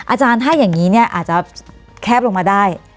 อาจารย์ถ้าอย่างนี้เนี่ยอาจจะแคบลงมาได้